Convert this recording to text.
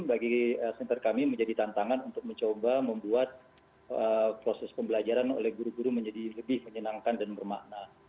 bagi center kami menjadi tantangan untuk mencoba membuat proses pembelajaran oleh guru guru menjadi lebih menyenangkan dan bermakna